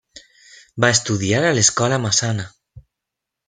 Va estudiar a l'Escola Massana.